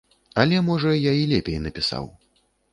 Але, можа, я і лепей напісаў.